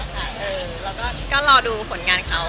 แล้วก็รอดูผลงานเขา